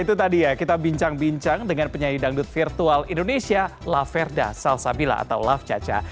itu tadi ya kita bincang bincang dengan penyanyi dangdut virtual indonesia laverda salsabila atau laf caca